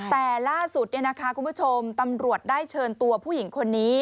แต่ล่าสุดคุณผู้ชมตำรวจได้เชิญตัวผู้หญิงคนนี้